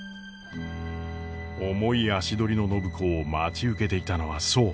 重い足取りの暢子を待ち受けていたのはそう！